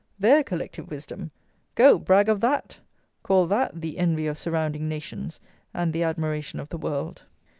There, Collective Wisdom! Go: brag of that! Call that "the envy of surrounding nations and the admiration of the world."